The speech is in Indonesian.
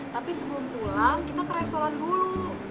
tapi sebelum pulang kita ke restoran dulu